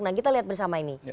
nah kita lihat bersama ini